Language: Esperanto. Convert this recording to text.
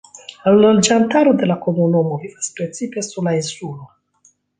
La loĝantaro de la komunumo vivas precipe sur la insulo.